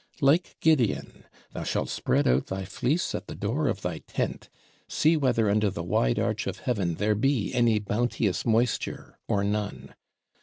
Like Gideon, thou shalt spread out thy fleece at the door of thy tent; see whether under the wide arch of Heaven there be any bounteous moisture, or none.